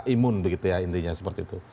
imun begitu ya intinya seperti itu